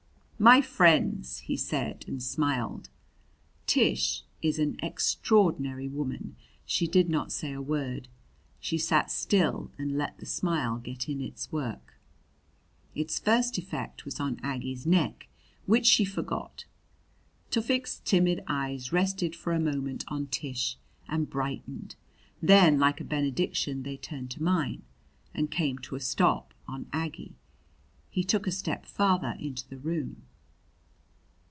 "My friends!" he said, and smiled. Tish is an extraordinary woman. She did not say a word. She sat still and let the smile get in its work. Its first effect was on Aggie's neck, which she forgot. Tufik's timid eyes rested for a moment on Tish and brightened. Then like a benediction they turned to mine, and came to a stop on Aggie. He took a step farther into the room.